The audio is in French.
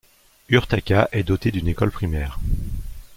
Urtaca est dotée d'une école primaire.